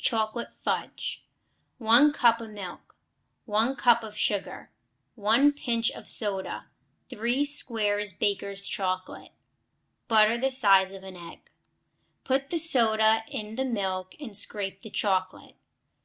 Chocolate Fudge 1 cup of milk. 1 cup of sugar. 1 pinch of soda. 3 squares Baker's chocolate. Butter the size of an egg. Put the soda in the milk and scrape the chocolate.